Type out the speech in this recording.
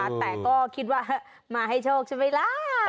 แต่ก็คิดว่ามาให้โชคใช่ไหมล่ะ